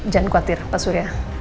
jangan khawatir pak surya